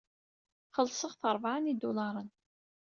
Xellṣeɣ-t ṛebɛa n yidulaṛen.